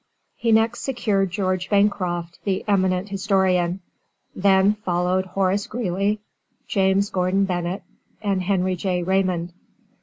He next secured George Bancroft, the eminent historian. Then followed Horace Greely, James Gordon Bennett, and Henry J. Raymond.